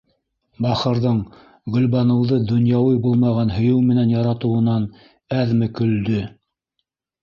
Бахырҙың Гөлбаныуҙы донъяуи булмаған һөйөү менән яратыуынан әҙме көлдө...